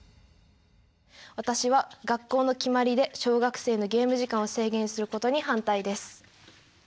私は学校の決まりで小学生のゲーム時間を制限することに反対です。